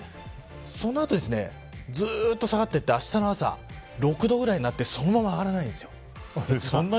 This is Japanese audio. その後ずっと下がっていってあしたの朝６度ぐらいになってそのまま上がらないんです。